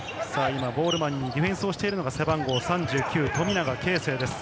今、ボールマンにディフェンスをしているのが背番号３９・富永啓生です。